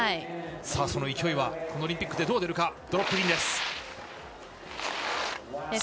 その勢いはこのオリンピックで、どう出るか。